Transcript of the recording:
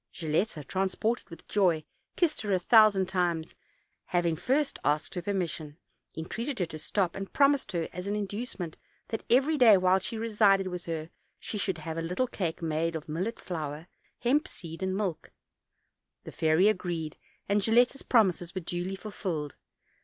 Gilletta, transported with joy, kissed her a thousand times, having first asked her permission, entreated her to stop, and promised her, as an inducement, that every day while she resided with her 264 OLD, OLD FAIRY TALES. she should have a little cake made of millet flour, hemp seed and milk: the fairy agreed, and Gilletta's promises were duly fulfilled.